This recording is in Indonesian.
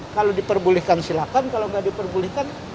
kalau diperbulihkan silakan kalau nggak diperbulihkan